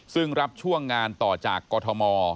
ซึ่งรับช่วงงานต่อจากกรทม